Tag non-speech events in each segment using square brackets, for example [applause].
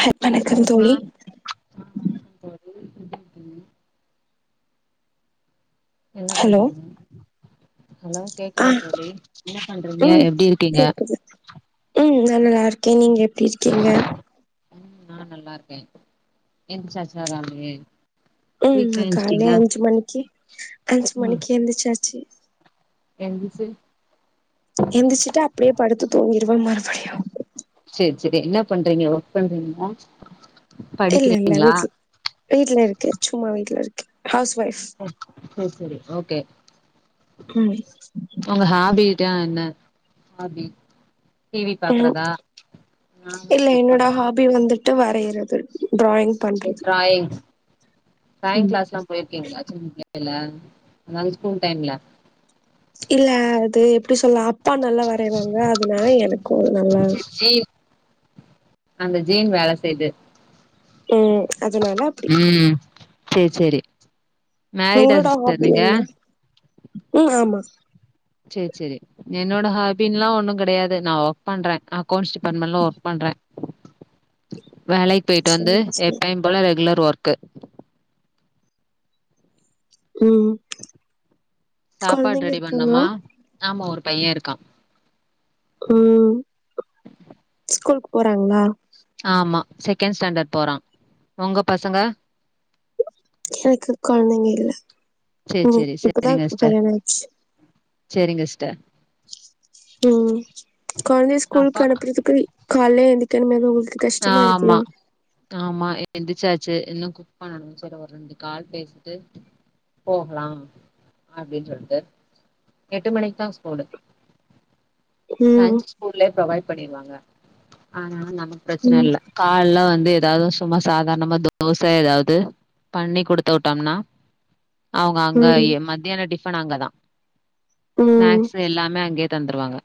ஹ வணக்கம் தோழி ஆ வணக்கம் தோழி எப்டி இருக்கீங்க என்ன ஹலோ பண்றீங்க ஹலோ ஆ கேக்குதா தோழி என்ன பண்றீங்க ம் எப்டி இருக்கீங்க கேக்குது ம் நா நல்லாருக்கே நீங்க எப்டி இருக்கீங்க ம் நா நல்லாருக்கே எந்திசாச்சா எல்லாருமே ம் அ கால்ல அஞ்சு மணிக்கு அஞ்சு மணிக்கு எந்திரிச்சாச்சு எந்திச்சு எந்திச்சிட்டு அப்டியே படுத்து தூங்கிடுவே மறுபடியு சேர் செரி என்ன பண்றீங்க ஒர்க் பண்றீங்ளா இல்ல இல்ல வீட்ல வீட்ல இருக்க சும்மா வீட்ல இருக்கே ஹவுஸ் ஒய்ஃப் ம் செர் செரி ஓகே ம் உங்க ஹாபி டா என்ன அப்டி டி வி ம் பாக்குறதா நா வந்து ஒர்க் பண்றே தீம் வந்துட்டு வரையிறது டிராயிங் சோ பண்றது டிராயிங்ஸ் டிராயிங் ம் கிளாஸ்ல்லா போயிருக்கீங்ளா சின்ன புள் யில அத அந்த ஸ்கூல் டைம்ல இல்ல அது எப்டி சொல்லா அப்பா நல்லா வரைவாங்க அதுனால எனக்கு நல்லா ஜி அந்த ஜீன் வேல செய்து ம் அதுனால ம் சேர் சேரி மேரிடா உங்ளோட சிஸ்டர் ஹாபி நீங்க என்ன ம் ஆமா சேர் செரி என்னோட ஹாபின்லா ஒன்னு கெடையாது நா ஒர்க் பண்றே அக்கௌன்ட்ஸ் டிபார்ட்மெண்ட்ல ஒர்க் பண்றே வேலைக் பொயிட்டு வந்து சரி சரி எப்பயு போல ரெகுலர் ஒர்க்கு ம் சாப்பாடு கொழந்தைங்க ரெடி இருக்குங்ளா பண்ணுமா ஆமா ஒரு பையெ இருக்கா ம் ஸ்கூலுக்கு போறாங்களா ஆமா செகெண்ட் ஸ்டாண்டர்ட் போறா ஒங்க பசங்க எனக்கு கொழந்தைங்க இல்ல சேரி ம் சேரி இப்பதா சேரிங்க சிஸ்டர் கல்யாணொ ஆச்சு சேரிங்க சிஸ்டர் ம் கொழந்தைய அப்பா ஸ்கூலுக்கு அனுப்புறதுக்கு கால்லே எந்திக்கனுமே [unintelligible] ஆமா ஆமா எந்திச்சாச்சு இன்னொ குக் பண்ணனு செரி ஒரு ரெண்டு கால் பேசிட்டு போகலாம் அப்டின் சொல்ட்டு எட்டு மணிக் தா ஸ்கூலு லஞ்ச் ம் ஸ்கூல்லயே ப்ரொவைட் பண்ணிருவாங்க ஆதுனால நமக்கு பிரச்சன ம் இல்ல கால்ல வந்து ஏதாவ்து சும்மா சாதார்ணமா தோச ஏதாவ்து பண்ணி குடுத்து விட்டோம்னா அவுங்க ம் அங்கயெ மத்தியான டிஃபன் அங்கதா ம் ஸ்நாக்ஸ் எல்லாமே அங்கே தந்துருவாங்க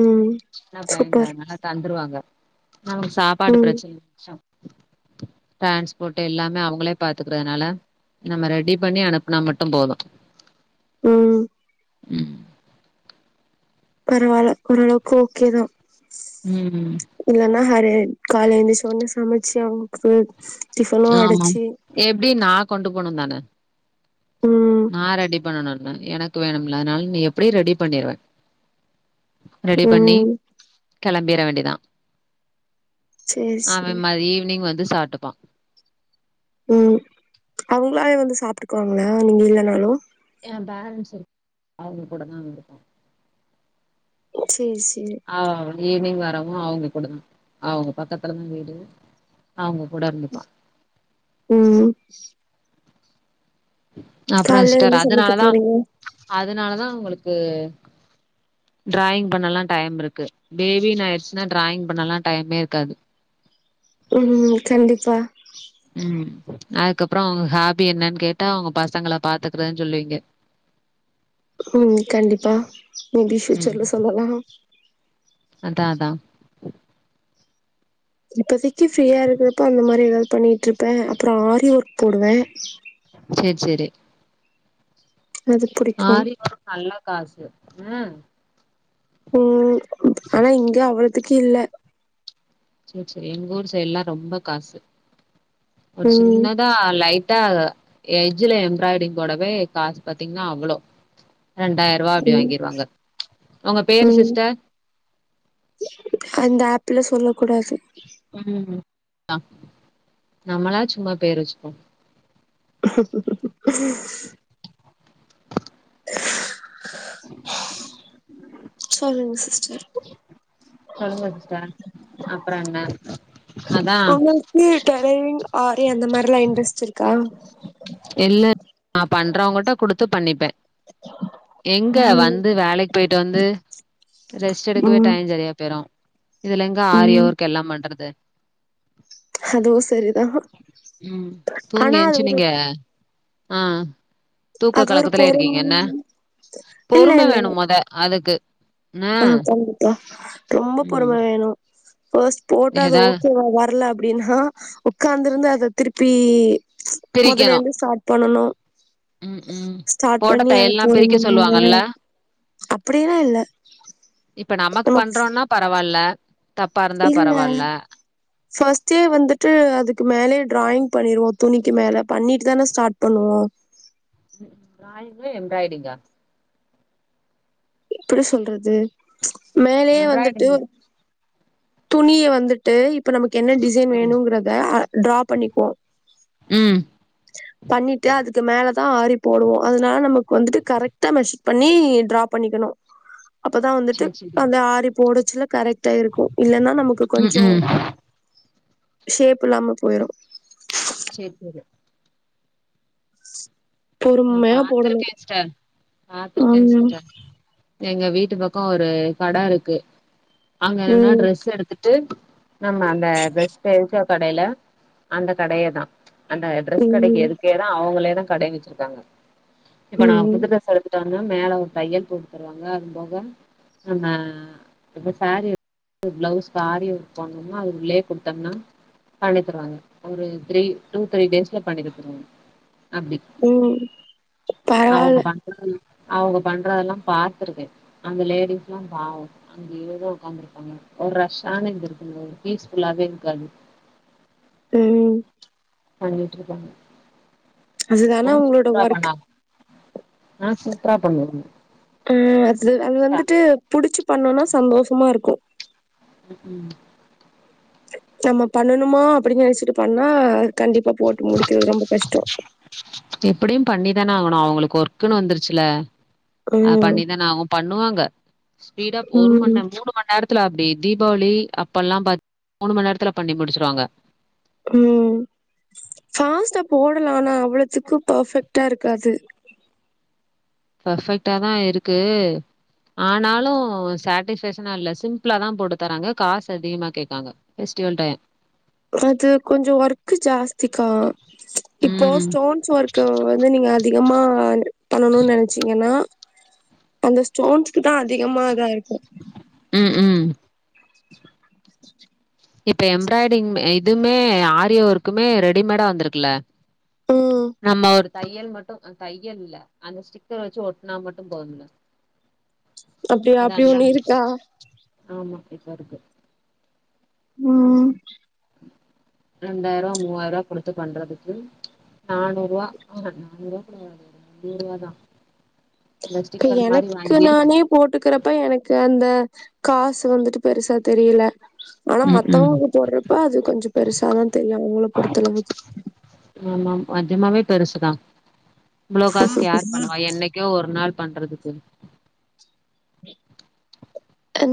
ம் சூப்பர் துருவாங்க சாப்பாடு ம் பிரச்சன டிரான்ஸ்போர்ட் எல்லாமே அவுங்களே பாத்துக்குறதுனால நம்ம ரெடி பண்ணி அனுப்புனா மட்டு போது ம் ம் பரவால்ல ஓரளவுக்கு ஓகே தா ம் இல்லன்னா ஹரெ கால்ல எந்துச்ச ஒட்னே சமைச்சு அவுங்களுக்கு ஆமா எப்டியு நா கொண்டு போனு தானே ம் நா ரெடி பண்ணணுனு எனக்கு வேணும்ல அதுனால நீ எப்டி ரெடி பண்ணிருவே ரெடி பண்ணி ம் கெளம்பிற வேண்டிதா சேரி அவெ சேரி மதி ஈவினிங் வந்து சாப்ட்டுப்பா ம் அவுங்களாவே வந்து சாப்ட்டுக்குவாங்களா நீங்க இல்லனாலு ஏ பேரன்ஸ் இரு அவுங்க கூட தா இருப்பா சேரி சேரி ஆ ஈவினிங் வரவு அவங்க கூட தா அவ்ங்க பக்கத்துலதா வீடு அவங்க கூட இருந்துட்டோ ம் அப்பற கால்ல என்ன சிஸ்டர் சமைக்க அதனாலதா போறீங்க அதனாலதா உங்களுக்கு டிராயிங் பண்ணலா டைம் இருக்கு பேபின்னு ஆயிடுச்சுன்னா டிராயிங் பண்ணலா டைமே இருக்காது ம் கண்டிப்பா ம் அதுக்கப்புறோ உங்க ஹாபி என்னன்னு கேட்டா உங்க பசங்களை பாத்துக்குறதுன்னு சொல்லுவீங்க ம் கண்டிப்பா மேபி ம் ஃப்யூச்சர்ல சொல்லலா அதா அதா இப்பதைக்கி ஃப்ரீயா இருக்கிறப்ப அந்த மாரி ஏதாவது பண்ணிட்டு இருப்பே அப்பற ஆரி ஒர்க் போடுவே சேரி சேரி அது புடிக்கு ஆரி ஓர்க் நல்லா காசு ம் ம் ஆனா இங்க அவ்ளதுக்கு இல்ல சேரி சேரி எங்க ஊர் சைடல்லா ரொம்ப காசு ஒரு ம் சின்ன தா லைட்டா எஜ்ல எம்ப்ராய்டரிங் போடவே காசு பாத்தீங்கன்னா அவ்ளோ ரெண்டாயிர ரூபா அப்டி ம் வாங்கிருவாங்க உங்க பேரு ம் சிஸ்டர் அந்த ஆப்ல சொல்ல கூடாது ம் த நம்மளா சும்மா பேரு வச்சுப்போ சொல்லுங்க சிஸ்டர் சொல்லுங்க சிஸ்டர் அப்பற என்ன அதா நீ டெயலரிங் ஆரி அந்த மாரி எல்லா இன்ட்ரெஸ்ட் இருக்கா இல்ல நா பண்றவங்கிட்ட குடுத்து பண்ணிப்பே எங்க ம் வந்து வேலைக்கு போயிட்டு வந்து ரெஸ்ட் எடுக்கவே ம் டைம் சரியா போயிரு இதுல எங்க ஆரி ம் ஒர்க் எல்லா பண்றது அதுவு சரிதா ம் ஆனா அது ஒரு அ தூக்க அது ஒரு கலக்கத்துல பொறும் இருக்கீங்க என்ன இல்ல பொறும வேணு மொத அதுக்கு ஆ ம் கண்டிப்பா ரொம்ப பொறும ம் வேணு ஃப்ஸ் போட்டு அது ஏதா ஓகேவா வரல அப்பிடின்னா உக்காந்துருந்து அத திருப்பி பிரிக்கணு மொதலேருந்து ஸ்டாட் பண்ணனும் ம் ம் போட்ட தையல்லா பிரிக்க பொறுமையா சொல்லுவாங்கல்ல அப்டிலா இல்ல இப்ப நமக் நம்ம பண்றோன்னா பரவால்ல தப்பாருந்தா பரவால்ல ஃபஸ்ட்டே வந்துட்டு அதுக்கு மேலயே ட்ராயிங் பண்ணிருவோ துணிக்கி மேல பண்ணிட்டுதான ஸ்டாட் பண்ணுவோ ட்ராயிங்ல எம்ராய்டிங்கா எப்பிடி சொல்றது மேலயே வந்துட்டு எம்ப்ராய்டிங் துணிய வந்துட்டு இப்ப நமக்கு என்ன டிசைன் வேணுங்கறத அ ட்ரா பண்ணிப்போ ம் பண்ணிட்டு அதுக்கு மேலதா ஆரி போடுவோ அதனால் நமக்கு வந்துட்டு கரெக்ட்டா மெஷர் பண்ணி ட்ரா பண்ணிக்கணு அப்பதா வந்துட்டு சேர் சேரி அந்த ஆரி போடச்சுல கரெக்ட்டா இருக்கு இல்லன்னா நமக்கு ம் கொஞ்சோ ம் ஷேப்பில்லாம போயிரு சேரி தோழி நா பொறுமையா போடணு பாத்துருக்கேஸ்டர் பாத்துருக்கே ம் சிஸ்டர் எங்க வீட்டு பக்கோ ஒரு கட இருக்கு அங்க என்னனா ம் ட்ரெஸ் எடுத்துட்டு நம்ம அந்த ட்ரெஸ் தெரிஞ்சோ கடைல அந்த கடையே தா அந்த ட்ரெஸ் கடைக்கி எ ம் இதேதா அவுங்ளே தா கடை வச்சிருக்காங்க இப்ப நா ம் புது ட்ரஸ் எடுத் தோன்னா மேல ஒரு தையல் போட்டுத்தருவாங்க அது போக நம்ம இப்ப சாரீ எடுத் பிளவுஸ்க் ஆரி ஒர்க் போட்ணும்னா அது உள்ளே குடுத்தம்னா பண்ணி தருவாங்க ஒரு த்ரீ டூ த்ரீ டேஸ்ல பண்ணி குடுத்துருவாங்க அப்டி ம் பரவால்ல அவுங்க பண்றதல்லா பாத்துருக்கே அந்த லேடிஸ்லா பாவோ அங்கயேதா ஒக்காந்துருப்பாங்க ஒரு ரஷ்ஷான இது இருக்கும்ல பீஸ் ஃபுல்லாவே இருக்காது ம் பண்ணிட்ருக்காங்க அ அதுதான உங்களோட சூப்ரா ஒர்க் பண்ணுவாங்க அ சூப்ரா பண்ணுவாஙக் ம் அது அது வந்துட்டு புடிச்சு பண்ணோனா சந்தோஷமா இருக்கு ம் ம் நம்ம பண்ணணுமா அப்பிடின் நெனச்சிட்டு பண்ணா கண்டிப்பா போட்டு முடிக்கிறது ரொம்ப கஷ்டோ எப்பிடியு பண்ணிதான ஆவுணு அவுங்குளுக்கு ஒர்க்குனு வந்துருச்சுல அத ம் பண்ணிதான ஆவு பண்ணுவாங்க ஸ்பீடா ஒரு ம் மண்நேம் மூணு மண் நேர த்துல அப்டி தீபாவளி அப்பல்லா பா மூணு மண்நேரத்துல பண்ணி முடிச்சுருவாங்க ம் ஃபாஸ்ட்டா போடலா ஆனா அவ்ளவுத்துக்கு பர்ஃபெக்ட்டா இருக்காது பர்ஃபெக்ட்டாதா இருக்கு ஆனாலு சாட்டிஸ்ஃபேக்ஷனா இல்ல சிம்ப்புளாதா போட்டு தராங்க காஸ் அதிகமா கேக்காங்க ஃபெஸ்ட்டிவல் டைய அது கொஞ்சோ ஒர்க்கு ஜாஸ்திக்கா இப்போ ம் ஸ்டோன்ஸ் ஒர்க்கு வ ந்து நீங்க அதிகமா பண்ணணு நெனச்சீங்கன்னா அந்த ஸ்டோன்ஸ்க்குதா அதிகமா இதாயிருக்கு ம் ம் இப்ப எம்ப்ராய்டிங் மே இதுமே ஆரி ஒர்க்குமே ரெடிமேடா வந்துருக்ல ம் நம்ம ஒரு தையல் மட்டு அ தையல் இல்ல அந்த ஸ்டிக்கர் வச்சு ஒட்னா மட்டு போதுல அப்டியா அப்டி ஒண்ணு இருக்கா ஆமா இப்ப இருக்கு ம் ரெண்டாயிர ரூவா மூவாயிர ரூவா குடுத்து பண்றதுக்கு நானூறு ரூவா ஆஹ நானூறு ரூபா கூட வராது அ நூறுவா தா அந்த இப்ப ஸ்டிக்கர் மாரி எனக்கு வாங்கி நானே போட்டுக்கறப்ப எனக்கு அந்த காசு வந்துட்டு பெருசா தெரில ஆனா ம் ம் மத்தவங்க போட்றப்ப அது கொஞ்ச பெருசாதா தெரியு அவுங்ளுக் பொறுத்தளவுக் ஆமா நெஜமாவே பெருசுதா இவ்ளோ காஸ்க்கு யார் பண்ணுவா என் னைக்கா ஒரு நாள் பண்றதுக்கு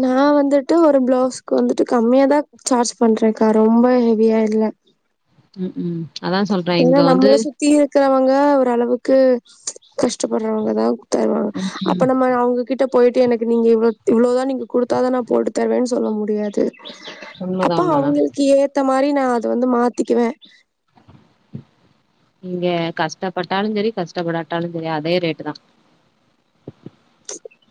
நா வந்துட்டு ஒரு பிளவுஸ்க்கு வந்துட்டு கம்மியா தா சார்ஜ் பண்றேக்கா ரொம்ப ஹெவியா இல்ல ம் ம் அதா சொல்றே ஏன்னா இங்க வந்து நம்மள சுத்தி இருக்கிறவங்க ஓரளவுக்கு கஷ்டப் படுறவங்கதா தருவாங் ம் ம் அப்ப நம்ம அவுங் கிட்ட போய்ட்டு எனக்கு நீங்க இவ்வளோ இவ்வளோதா நீங்க கொடுத்தா நா போட்டு தருவேன்னு சொல்ல முடியாது உண்மதா அப்போ உண்மதா அவங்களுக்கு ஏத்த மாரி நா அத வந்து மாத்திக்குவே நீங்க கஷ்டப்பட்டாலும் சரி கஷ்டப்படாட்டாலும் சரி அதே ரேட்டு தா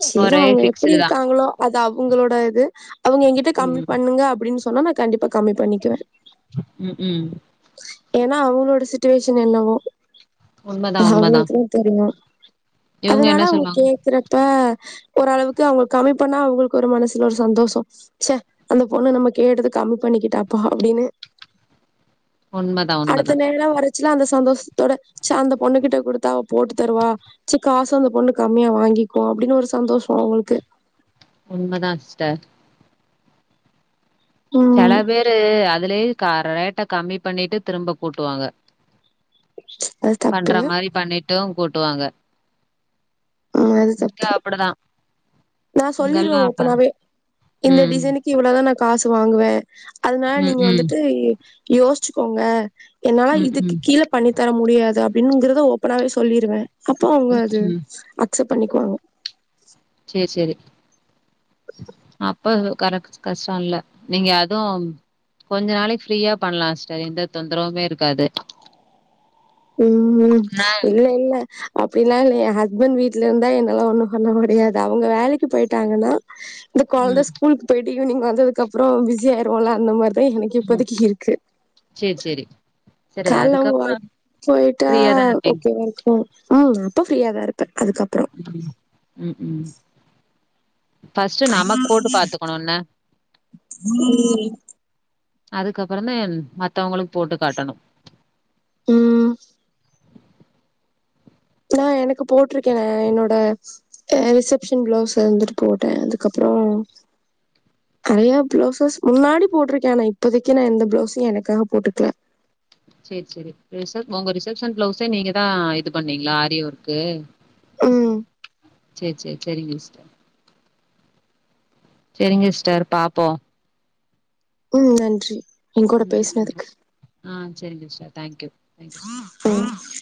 சேரி ஒரே அவங்க எப்டி ஃபிக்ஸ்டு தா இருக்காங்களோ அது அவங்களோட இது அவங்க எங்கிட்ட கம்மி ம் பண்ணுங்க அப்டின்னு சொன்னா நா கண்டிப்பா கம்மி பண்ணிக்குவே ம் ம் ஏன்னா அவங்களோட சுட்டுவேஷன் என்னவோ உண்மதா உண்மதா அவங்களுக்கு தெரியுமா இவங்க அதனால என்ன அவங்க சொல்லுவாங்க கேக்குற இப்ப ஓரளவுக்கு அவங்களுக்கு கம்மி பண்ணா அவங்களுக்கு ஒரு மனசுல ஒரு சந்தோஷம் ச அந்த பொண்ணு நம்ம கேட்டதும் கம்மி பண்ணிக்கிட்டாப்பா அப்டின்னு ஒன்மந்த் அடுத்த நேரம் வரைச்சல அந்த சந்தோஷத்தோட ச அந்த பொண்ணு கிட்ட கொடுத்தா அவ போட்டு தருவா ச காசு அந்த பொண்ணு கம்மியா வாங்கிக்கும் அப்டின்னு ஒரு சந்தோஷம் அவங்களுக்கு உண்மதா சிஸ்டர் சில ம் பேரு அதுலயே க ரேட்டை கம்மி பண்ணிட்டு திரும்ப கூட்டுவாங்க அது பண்ற தப்பு மாரி பண்ணிட்டும் கூட்டுவாங்க முஸ்டா அப்டிதா நான் சொல்லிருவே ஓப்பனாவே இந்த ம். டிசைனுக் இவ்வளதா நா காசு வாங்குவே அதனால ம், நீங்க ம். வந்துட்டு யோசிச்சுக்கோங்க என்னாலா ம், இதுக்கு ம். கீழ பண்ணி தர முடியாது அப்டிங்குறத ஓப்பனாவே சொல்லிருவே அப்போ அவங்க அது ம். அக்சப்ட் பண்ணிக்குவாங்க சேரி சேரி அப்ப அது கரட் கஷ்டம் இல்ல நீங்க அதும் கொஞ்ச நாளைக்கு ஃப்ரீயா பண்ணலா சிஸ்டர் எந்த தொந்தரவுமே இருக்காது ம் ம் ஆனா இல்ல இல்ல அப்டில்லாம் இல்ல என் ஹஸ்பண்ட் வீட்ல இருந்தா என்னாலா ஒண்ணும் பண்ண முடியாது அவங்க வேலைக்கு போயிட்டாங்கன்னா இந்த கொழந்த ம், ஸ்கூலுக்கு போயிட்டு ஈவினிங் வந்ததுக்கு அப்புறம் பிஸி ஆயிருவோல்ல அந்த மாரிதா எனக்கு இப்பதக்கு இருக்கு சேரி சேரி கால அவங்க ஒர்க் போயிட்டா ஃப்ரீயா தான இருப்பீங்க. ஓகே வா ருக்கும் ஆ ரொப்ப ஃப்ரியாதா இருப்பே அதுக்கப்புறம் ம் ம் ம் ம் பஸ்ட்டு நம்ம போட்டு பாத்துக்கணு என்ன அதுக்கப்புற தா மத்தவங்களுக்கு போட்டு காட்டணு ம் அக்சுவளா எனக்கு போட்டிருக்கே என்னோட ரிசப்ஷன் பிளவுஸ் வந்துட்டு போட்டே அதுக்கப்புற நறையா பிளவுசஸ் முன்னாடி போட்டிருக்கே ஆனா இப்போதைக்கி நா எந்த பிளவுஸு எனக்காக போட்டுக்கல சரி சரி ரிச உங்க ரிசப்ஷன் பிளவுஸே நீங்க தா இது பண்ணீங்களா ஆரி ஒர்க்கு ம் சேரி சேரி சேரிங்க சிஸ்டர் சரிங்க சிஸ்டர் பாப்போம் ம் நன்றி எங்கூட ம் நன்றி பேசுனதுக்கு ஆ சரிங்க sister thank you thank you so [unintelligible]